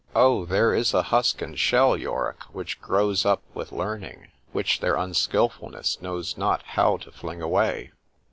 — Oh! there is a husk and shell, Yorick, which grows up with learning, which their unskilfulness knows not how to fling away!